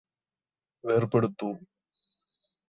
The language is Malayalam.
വേര്പെടുത്തൂ